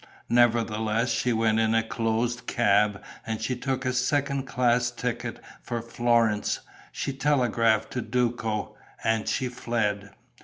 Nevertheless she went in a closed cab and she took a second class ticket for Florence. She telegraphed to Duco. And she fled.